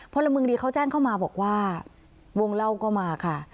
พลเมืองดีเขาแจ้งเข้ามาบอกว่าวงเล่าก็มาค่ะ